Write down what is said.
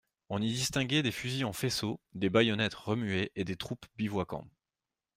On y distinguait des fusils en faisceaux, des bayonnettes remuées et des troupes bivouaquant.